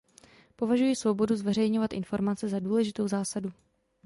Považuji svobodu zveřejňovat informace za důležitou zásadu.